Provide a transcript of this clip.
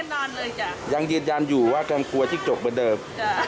ก็ยังยินยันอยู่ว่ากลัวจิกจกเบอร์เดิม